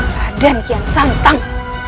raden kian santang